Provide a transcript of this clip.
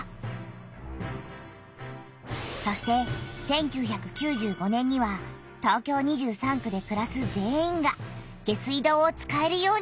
そして１９９５年には東京２３区でくらす全員が下水道を使えるようになった。